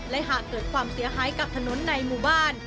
และหากเกิดความเสียหายกับถนนในหมู่บ้าน